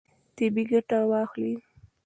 طبیعي ګټه واخلئ.